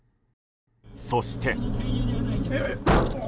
そして。